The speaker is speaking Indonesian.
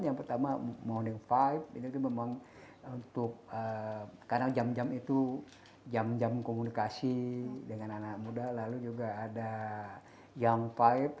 yang pertama morning vibe ini memang untuk karena jam jam itu jam jam komunikasi dengan anak muda lalu juga ada young vibe